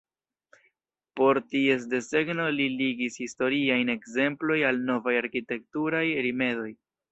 Por ties desegno li ligis historiajn ekzemplojn al novaj arkitekturaj rimedoj.